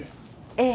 ええ。